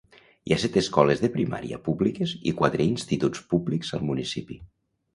Hi ha set escoles de primària públiques i quatre instituts públics al municipi.